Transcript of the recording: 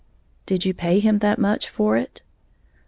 "Did you pay him that much for it?"